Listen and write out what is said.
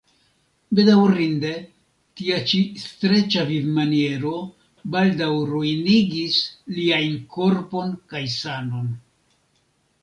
Bedaŭrinde tia ĉi streĉa vivmaniero baldaŭ ruinigis liajn korpon kaj sanon.